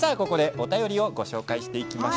お便りをご紹介します。